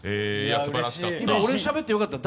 今、俺しゃべってよかったの？